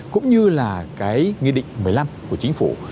cũng như là cái nghị định một mươi năm của chính phủ